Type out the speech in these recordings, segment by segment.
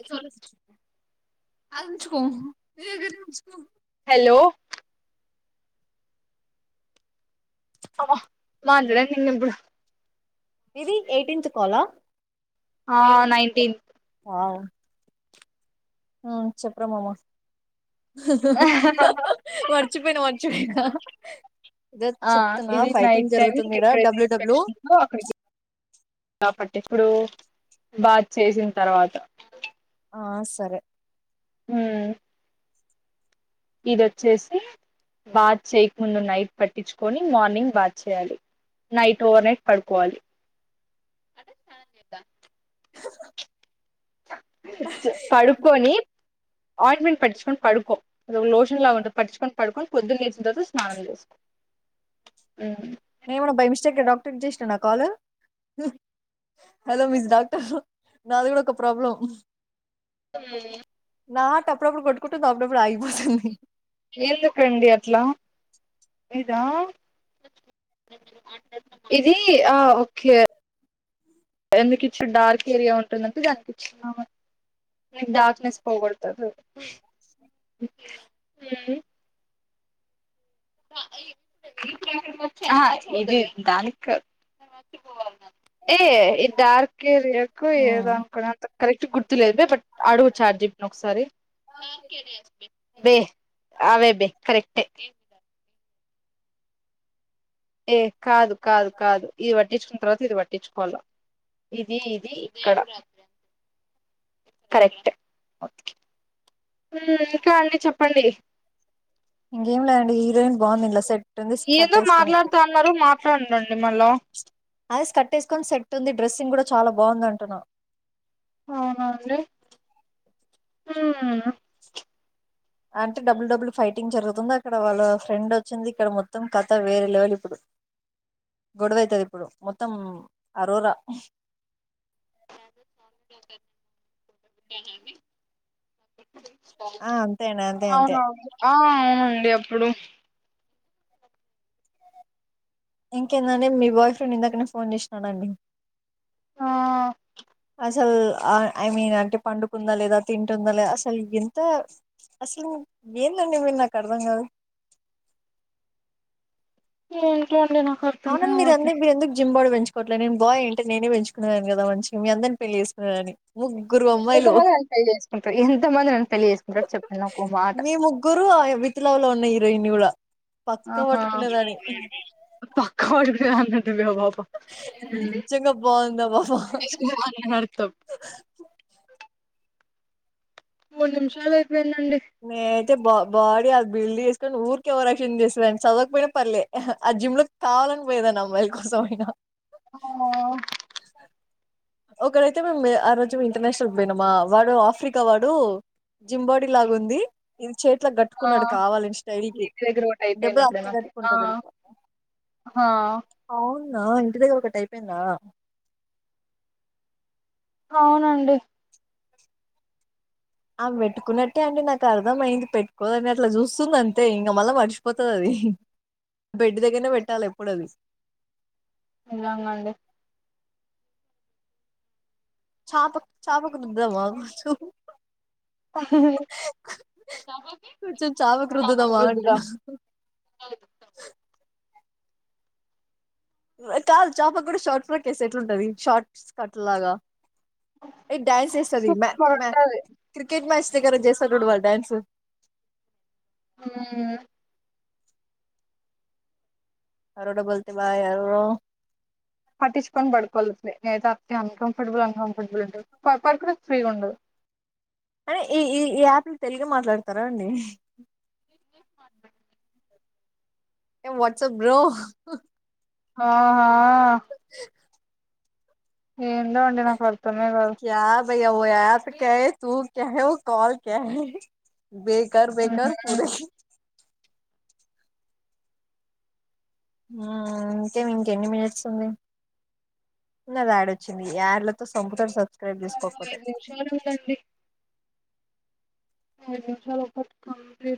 HODs [unintelligible] అంచ్ కోహు నీ దగ్గరే ఉంచుకో హలో అవ్వ బాందిలే నిక్ ఇబ్బుడు ఇది ఎయిట్టింత్ కాల్ ఆ ఆ నైన్టీన్త్ ఆ చప్రా మామ మర్చిపోయినా మర్చిపోయినా ఇదో ఆ చెప్తున్నా ఇది నైట్ ఫైటింగ్ టైమ్ జరుగుతుంది నీకు ఇడ ఎక్కడితే డబ్ల్యూ డబ్ల్యూ ఇన్ఫెక్షన్ ఉంటుందో అక్కడికి బా పట్టించ్కుడూ బాత్ చేసిన్ తరవాత ఆ సరే మా ఇదొచ్చేసి బాత్ చేయ్క్ ముందు నైట్ పట్టిచ్కొని మార్నింగ్ బాత్ చేయాలి నైట్ ఓవర్ నైట్ పడుకోవాలి పడుకోని ఆయింట్మెంట్ పట్టిచ్కోన్ పడుకో అది ఒగ లోషన్ లాగ్ ఉంటది పట్టిచ్ కొన్ పడుకొ పొద్దున్ లేేచిన్ తర్వాత స్నానం జెస్కో ఉమ్ నీన్ గున బై మిస్టేక్ అయి డాక్టర్క్ జెష్ననా కాల్ హలో మిస్ డాక్టర్ నాది గుడా ఒక ప్రాబ్లం ఉమ్ నా హార్ట్ అప్పుడప్పుడు కొట్టుకుంటుంది అప్పుడప్పుడు ఆగిపోతుంది ఎందుకండి అట్లా ఇదా ఇది ఆ ఒక్కే ఎందుకు ఇచ్చిండు డార్క్ ఏరియా ఉంటుందంటే దానికి ఇచ్చిండు డార్క్నెస్ పోగొడ తదని ఉహు ఆ ఇది దానికాదు ఏఇది డార్క్ ఏరియాకో ఏదో అనుకున్నంత కరెక్ట్ గుర్తులేదు బట్ అడుగు చాట్ దింపనా ఒకసారి వే ఆ వే కరెక్టే ఏ కాదు కాదు కాదు ఇది పట్టించుక్ తర్వాత ఇది పట్టించుకోవాల ఇది ఇది ఇక్కడ కరెక్టే ఓకే ఉమ్ ఇంకా అండి చెప్పండి బావుంది ఇందుల సెట్ ఉంది ఏందో కట్టేసుకొని మాట్లాడుతా అన్నారు మాట్లాడండి మళ్ళ అదే స్కర్ట్ ఎస్కొని సెట్ ఉంది డ్రెస్సింగ్ కూడా చాలా బాగుంది అంటున్నా అవునా అండి హూ అంటే డబుల్ డబుల్ ఫైటింగ్ జరుగుతుందా అక్కడ వాళ్ళ ఫ్రెండ్ వచ్చింది ఇక్కడ మొత్తం కథ వేరే లెవెల్ ఇప్పుడు గొడవ అయితది ఇప్పుడు మొత్తం అరోరా ఆ అంతేండి అంతే అంతే అవునా ఆ అవునండి అప్పుడు ఇంకేందండి మీ బాయ్ ఫ్రెండ్ ఇందాకనే ఫోన్ చేసినాడండి ఆ అసలు ఐ మీన్ అంటే పండుకుందా లేదా తింటుందా లేదా అసలికి ఎంత అసలు ఏందండి మీరు నాకు అర్థం కాదు ఏంటో అండి నాకు అర్థమే అవునండి మీరు అవ్వట్లే ఎందుకు మీరు ఎందుకు జిమ్ బాడీ పెంచు కోట్లే నేను బాయ్ అయ్యుంటే నేనే పెంచుకునేదాన్ని కదా మంచిగ మీ అందరిని పెళ్లి చేసుకునేదాన్ని ముగ్గురు అమ్మాయిలు ఎంతమందినని పెళ్లి చేసుకుంటవ్ ఎంత మందినని పెళ్లి చేసుకుంటావ్ మీ ముగ్గురు విత్ లవ్లో ఉన్న హీరోయిన్ని కూడా పక్క ఆహ పట్టుకునేదాన్ని పక్క [unintelligible] నిజంగ బాగుందబ్బ అర్థం మూడు నిమిషాలు అయిపోయిందండి అ బ బాడీ అది బిల్డ్ చేసుకొని ఊరికే ఓవర్ యాక్షన్ చేస్తదండి చదవకపోయినా పర్లే ఆ జిమ్ లో కావా పోయేదాన్నీ అమ్మాయిల కోసం అయినా ఆ ఒకడైతే మేము ఆ రోజు ఇంటర్నేషనల్ కి పోయినామా వాడు ఆఫ్రికా వాడు జింబాడీ లాగా ఉంది ఇది చేతులకు ఆ! గట్టుకున్నడు కావాలని స్టైల్ కి ఇంటి దగ్గర ఒకటి దెబ్బ అయిపోయింది తాకితే కట్టుకుంటరు చూడు ఇట్ల హా నా ఇంటి దగ్గర ఒకటి అయిపోయింద. అవునండి ఆమే పెట్టుకున్నట్టే అండి నాకు అర్థం అయింది పెట్టుకోదు అని అట్లా చూస్తుంది అంతే ఇంక మళ్ళీ మర్చిపోతది అది బెడ్ దగ్గరనే పెట్టాలి ఎప్పుడు అది నిజంగండి చాప చాపక్ రుద్దుదాం ఆగు ఫస్టు కొంచెం చాపకు రుద్దుదామా అంటున్న చూద్దాం. కాదు చాపకు కూడా షార్ట్ ఫిట్లు ఏస్తే ఎట్లుంటది షార్ట్ స్కర్ట్లాగా ఇది డ్యాన్స్ ఎస్తది మ సూపర్ మ ఉంటది క్రికెట్ మ్యాచ్ కాడ చేస్తరు చూడు వాళ్ళు డ్యాన్స్ ఉమ్ అరోడ బోల్తే భాయ్ అరోరో పటించుకొని పడుకోలె నేనయితే అట్నే అన్ కంఫర్టబుల్ అన్ కంఫర్టబుల్ ఉంటుంది, ప పడుకునేటప్పుడు ఫ్రీగా ఉండదు. ఈ ఈ యాపిలో తెలగే మాట్లాడతరా అండి? ఏం వట్సప్ బ్రో ఆహా ఏందో అండి నాకు అర్థమే కాదు. క్యా భయ్యా ఓ యాప్ క్యా హై, తూ క్యా హై, వో కాల్ క్యా హై. బేకార్ బేకార్ మ్మ్. పూరే ఉమ్ ఇంకేం ఇంకెన్ని మినిట్స్ ఉంది? నా దాడి వచ్చింది ఆడ్తో సంపుటం సబ్క్రైబ్ చేసుకోకపోతే ఐదు నిమిషాలు ఏడు నిమిషాలు ఒక్కటి.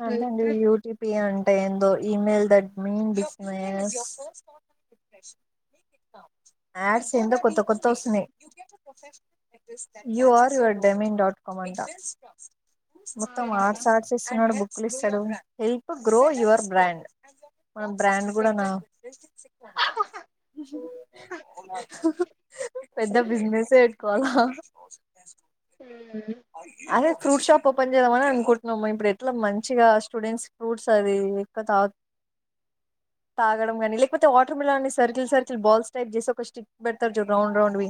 అంతేండి యూటీపి అం టే ఏందో మెయిల్ దట్ మీన్స్ ఆడ్స్ ఏందో కొత్త కొత్త వస్తున్నయ్. You are your డెమిన్ dot com అంట ఆ మొత్తం ఆర్ట్స్ ఆర్ట్స్ ఇస్తున్నాడు బుక్కులు ఇస్తడు, హెల్ప్ గ్రో యువర్ బ్రాండ్. మన బ్రాండ్ కూడా నా పెద్ద బిజినెసే పెట్టుకోవాలా మ్మ్. అదే ఫ్రూట్ షాప్ ఓపెన్ చేద్దామని అనుకుంటున్నము, ఇప్పుడు ఎట్లా మంచిగా స్టూడెంట్స్ ఫ్రూట్స్ అది ఎక్కువ తాగ్ తాగడం గని లేకపోతే వాటర్ మిలాన్ని సర్కిల్ సర్కిల్ బాల్స్ టైప్ చేసి, ఒక స్టిక్ పెడతారు చూడు రౌండ్ రౌండ్ వి.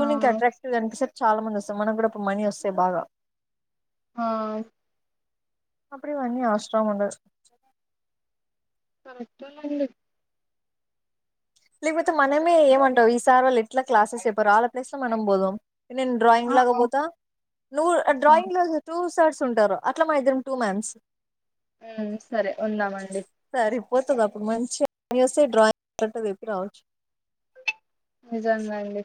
ఆ అట్రాక్టివ్గానిపిస్తది, చాలా మంది వస్తురు, మనకు కూడా అప్పుడు మనీ వస్తయి బాగా. ఆ అప్పుడు ఇవన్నీ అవసరం ఉండదు. [unintelligible] లేకపోతే మనమే ఏమంటావు ఈసారోళ్ళు ఎట్లా క్లాసెస్ చెప్పరు, ఆళ్ళ ప్లేస్ల మనం పోదాం. ఇన్ ఆ డ్రయింగ్ లాగ ఆ బోతా, నువ్ఆ ఆ. డ్రయింగ్ లాగ్ టూ సర్డ్స్ టారు అట్ల మన ఇద్దరం టూ మాన్స్ ఉమ్ సరే ఉందామండి. పోతదిప్పుడు మంచిగా మని వస్తయి, డ్రాయింగ్ గంట చెప్పి రావచ్చు. నిజంగ అండి.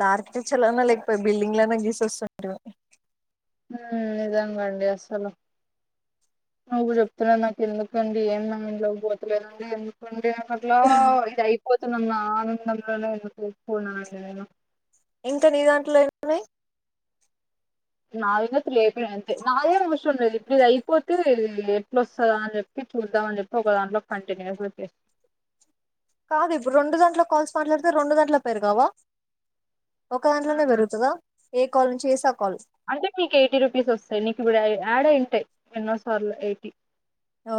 లార్కిటెక్చర్ అన్నా లేకపోతే బిల్డింగ్ లన్నా గీసి వస్తుంటిమి. ఉమ్ నిజంగ అండి అస్సలు. నువ్వు చెప్తున్నా నాకు ఎందుకండి, ఏం మైండ్ లోకి పోతలేదండి ఎందుకండి? అట్లా ఇది అయిపోతనన్న ఆనందంలోనే తీసుకున్నానండి నేను. ఇంక నీ దాంట్లో ఎన్ని ఉన్నయ్? నాయనే తి లేపిన అంతె, నాది కూడా ఏం అవసరం లేదు ఇప్పుడు ఇది అయిపోతే అట్ వస్తదా అని చెప్పి, చూద్దాం అని చెప్పి ఒక దాంట్లో కంటిన్యూస్గా చెప్ కాదు ఇప్పుడు రెండు గంటల కాల్స్ మాట్లాడితే, రెండు గంటల పెరిగవా ఒక దాంట్లోనే పెరుగుతదా, ఏ కలో నుంచి చేసా అంటే మీకేయిటీ రూపీస్ వస్తాయి, నీకు గుడ యాడ్ ఉంటయి, ఎన్నోసార్లు ఎయిటీ ఓ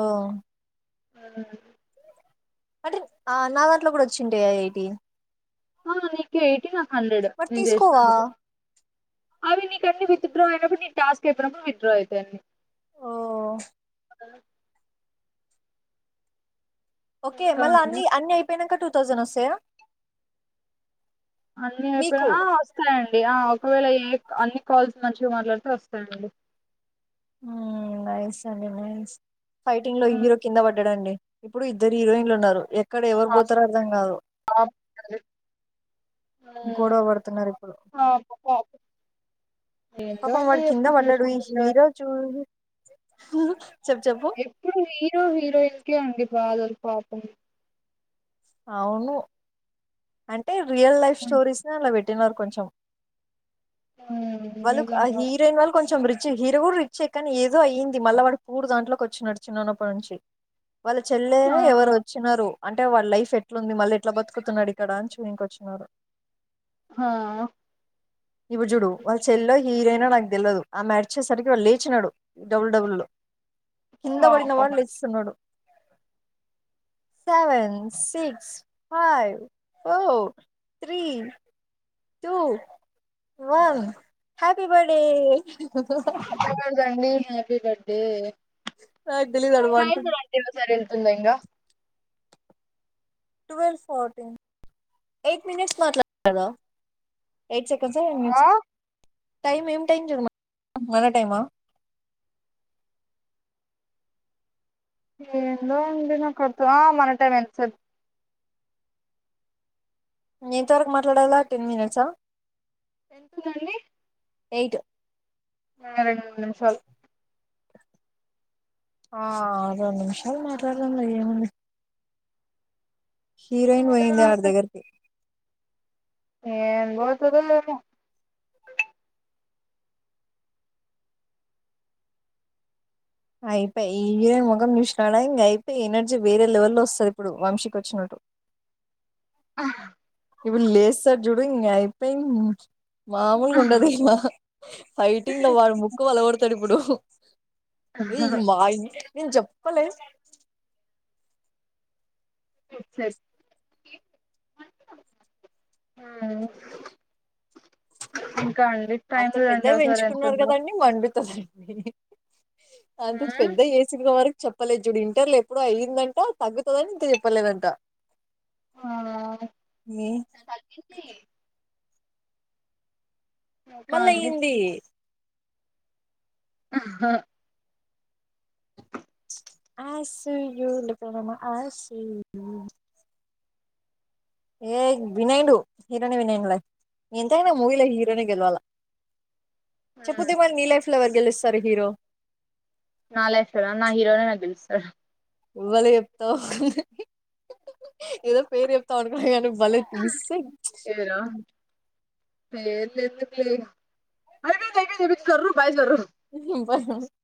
ఆ అంటే ఆ నా దాంట్లో కూడా వచ్చింటయ, ఆ ఎయిటి ఆ నీకు ఎయిటీ నాకు హండ్రెడ్, మరి నేను తీసుకోవా చేసినందుకు అవి నీకన్ని విత్డ్రా అయినప్పుడు, నీకు టాస్క్ అయిపోయినప్పుడు విత్డ్రా అయితయన్ని. ఓ ఆ ఓకే ఇంకా మళ్ళీ అండి అన్ని అన్ని అయిపోయినాక టూ థౌసండ్ వస్తాయా అన్ని ఎప్పుడు మీకు ఆ వస్తాయండి ఆ ఒకవేళ ఏ అన్ని కాల్స్ మంచిగా మాట్లాడిత వస్తాయండి నైస్ అండి నైస్ ఫైటింగ్ లో ఉమ్, హీరో కింద పడ్డాడండి ఇప్పుడు ఇద్దరు హీరోయిన్లు ఉన్నారు ఎక్కడ ఎవరు పోతారో అర్థం కాదు [unintelligible] ఉమ్, గొడవ పడుతున్నారు ఇప్పుడు పాప పాప ఏందో పాపం అండి వాడకింద ఎప్పుడు పడదు చూసిన ఈ హీరో చూడ్ ఎప్పుడు హీరో హీరోయిన్కే అండి బాధలు పాపం అవును అంటే రియల్ లైఫ్ ఉమ్, స్టోరీస్ అలా పెట్ నారు వాళ కొంచెం వాళ్ళు నిజంగా హీరోయిన్ వాళ్ళు కొంచెం రిచ్ హీరో కూడా రిచ్ ఆ కానీ ఏదో అయ్యింది మళ్ళ వాడు పూర్ దాంట్లోకి వచ్చిన నడుచున్నన్నప్పటి నుంచి వాళ్ళ ఆ చెల్లెనా ఎవరు వచ్చినారు అంటే వాళ్ళ లైఫ్ చె ఎట్లుంది మళ్ళీ ఎట్లా బతుకుతున్నాడు ఇక్కడ అని చూ ఇక వచ్చినన్నారు ఆ ఇప్పుడు చుడు వాళ్ళ చెల్లల్లో హీరోయినా నాకు తెలియదు ఆ మ్యాడ్ వచ్చేసరికి వాళ్డు లేచినాడు డబ్లూడబ్లూ లో కింద పడిన పాపం వాడు లేచిస్తున్నాడు seven six five four three two one happy birthday [unintelligible] happy birthday వాడికి తెలియదా అందంగా ట్వెల్వ్ ఫోర్టీన్ ఎయిట్ మినిట్స్ట్లాడతా ఎయిట్ సె ఆ [unintelligible] టైం ఏం టైం చదు మన టైమా ఏందో అండి నాక్ అర్ద్ మన టైం ఎంత స ఇంతవరకు మాట్లాడాలా టెన్ మినిట్సా ఆ ఎందులోండి ఎయిట్ రెండు నిమిషాలు ఆ రెండు నిమిషాలు మాట్లాదం లే ఏముంది హీరోయిన్ అదే పోయింది అడి దగరకి ఏ పోతాదో ఏమో అయిపోయి హీరోయన్ ముఖం చూసునాడా ఇంక అయిపోయి ఎనర్జీ వేరే లెవెల్ లో వస్తుంది ఇప్పుడు వంశీకి వచ్చినట్టు ఆ జుడుంగ అయిపోయి మామూలుగా ఉండదు ఇంగ ఫైటింగ్ లో వాడు ముక్కు పగలాగోడతాడు ఇప్పుడు ఏ మా ఇ నేను చెప్పలే [unintelligible] ఆ అంత పెద్దవి పెంచుకున్నారు కదండి వండుతుంది అంత పెద్ద ఆ చేసంది వరకు చెప్ప చెప్పలేదు చుడు ఇంటర్లో ఎప్పుడో అయ్యిందంట తగ్గుతుందని ఇంత చెప్పలేదంట మీ ఇంకా మళ్ళ అండి ఏంది ఆహా ఆసియులెక్కమమా ఆసియు ఏ విన్నైడు హీరోని విన్నైడలే ఎంతనా మూవీలో హీరోనే గెలవాల చెప్పు దివాన్ నీలైఫ్ లో ఎవర్ గెలుస్తారు హీరో నా లైఫ్ లోన నా హీరోనే నాక్ గెలుస్తారు ఎవ్వలి జేప్తవ్ ఏదో పేరు జెప్తావను కున్న గాని భలే మిసింగ్ ఏరా పేర్లు ఎందుకులే ఇగ అయిపోయింది అయిపోయింది జర్రు బాయ్ జర్రు బ [inaudible]